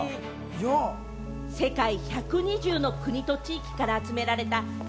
世界１２０の国と地域から集められた